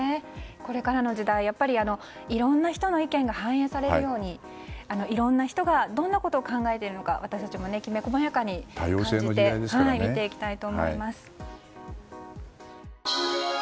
これからの時代、やっぱりいろんな人の意見が反映されるように、いろんな人がどんなことを考えているのか私たちもきめ細やかに感じて見ていきたいと思います。